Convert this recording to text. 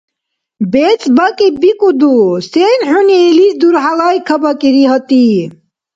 БецӀ бакӀиб бикӀуду? Сен хӀуни илис дурхӀя лайкабакӀири гьатӀи?